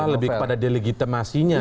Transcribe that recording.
lebih kepada delegitimasinya